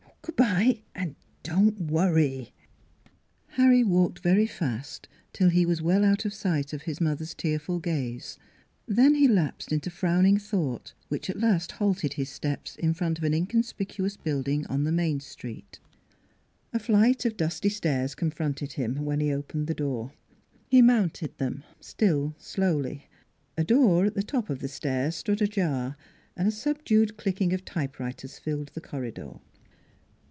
... Good by ! Don't worry !" Harry walked very fast till he was well out of sight of his mother's tearful gaze; then he lapsed into frowning thought which at last halted his steps in front of an inconspicuous building on the main street. A flight of dusty stairs confronted him, when he opened the door. He mounted them, still slowly. A door at the top of the stair stood ajar and a subdued clicking of typewriters filled the corridor.